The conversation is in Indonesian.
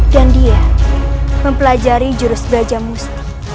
dia mempelajari jurus belajar musti